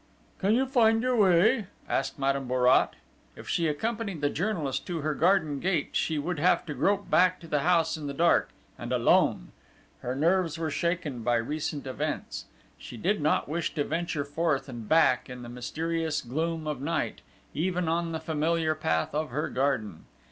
"Can you find your way?" asked Madame Bourrat. If she accompanied the journalist to her garden gate she would have to grope back to the house in the dark, and alone! Her nerves were shaken by recent events. She did not wish to venture forth and back in the mysterious gloom of night, even on the familiar path of her garden.